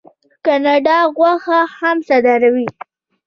کاناډا غوښه هم صادروي.